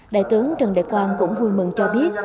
đại tướng trần đại quang cũng vui mừng cho biết